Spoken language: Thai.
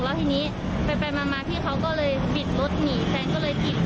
แล้วทีนี้ไปมาพี่เขาก็เลยบิดรถหนีแฟนก็เลยถีบรถเลยค่ะ